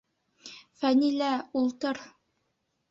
Фәнилә, ултыр!